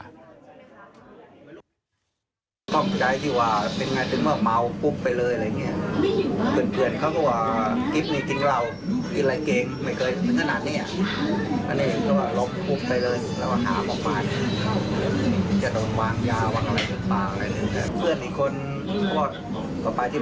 ไว้ไม่เป็นของในนี้นั่นเองก็แบบลบไปเลย